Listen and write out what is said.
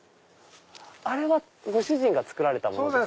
あれはご主人が作ったんですか？